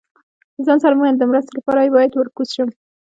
له ځان سره مې وویل، د مرستې لپاره یې باید ور کوز شم.